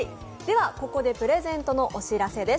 ここでプレゼントのお知らせです。